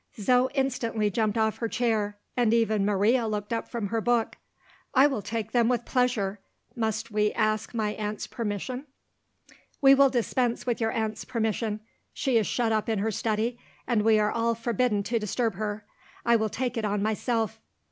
Zo instantly jumped off her chair; and even Maria looked up from her book. "I will take them with pleasure. Must we ask my aunt's permission?" "We will dispense with your aunt's permission. She is shut up in her study and we are all forbidden to disturb her. I will take it on myself."